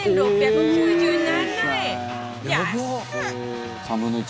安っ！